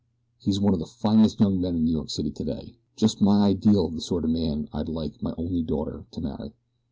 He's one of the finest young men in New York City today just my ideal of the sort of man I'd like my only daughter to marry."